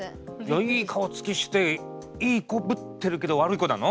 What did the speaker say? いい顔つきしていい子ぶってるけど悪い子なの？